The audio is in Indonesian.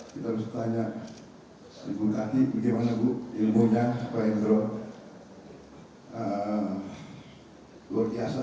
kita harus tanya ibu kati bagaimana ibu ilmunya pak hendro luar biasa